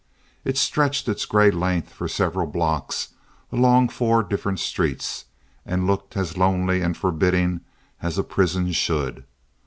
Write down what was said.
It stretched its gray length for several blocks along four different streets, and looked as lonely and forbidding as a prison should.